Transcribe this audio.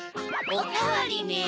おかわりネ。